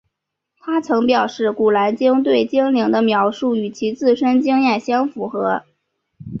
她曾表示古兰经对精灵的描述与其自身经验相符合。